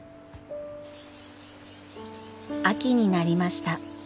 秋になりました。